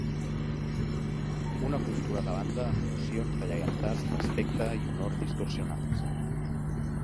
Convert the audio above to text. Una cultura de banda amb nocions de lleialtat, respecte i honor distorsionades.